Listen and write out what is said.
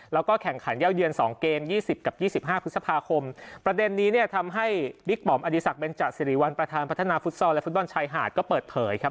แล้วก็แข่งขันเยาวเยือน๒เกม๒๐กับ๒๕พฤษภาคมประเด็นนี้เนี่ยทำให้บิ๊กหม่อมอดีศักดิเบนจสิริวัลประธานพัฒนาฟุตซอลและฟุตบอลชายหาดก็เปิดเผยครับ